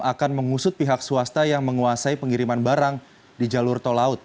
akan mengusut pihak swasta yang menguasai pengiriman barang di jalur tol laut